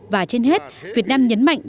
và trên hết việt nam nhấn mạnh